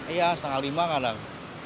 iya setengah lima kadang